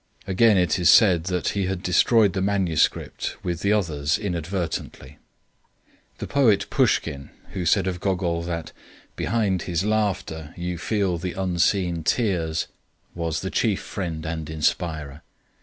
Again it is said that he had destroyed the manuscript with the others inadvertently. The poet Pushkin, who said of Gogol that "behind his laughter you feel the unseen tears," was his chief friend and inspirer.